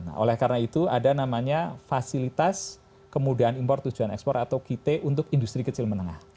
nah oleh karena itu ada namanya fasilitas kemudahan impor tujuan ekspor atau kit untuk industri kecil menengah